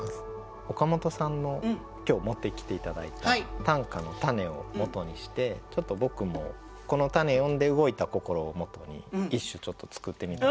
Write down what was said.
岡本さんの今日持ってきて頂いた短歌のたねをもとにしてちょっと僕もこのたね読んで動いた心をもとに一首ちょっと作ってみたんですけど。